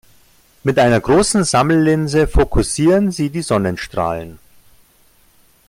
Mit einer großen Sammellinse fokussieren sie die Sonnenstrahlen.